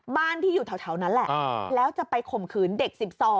บ้านที่อยู่แถวนั้นแหละแล้วจะไปข่มขืนเด็ก๑๒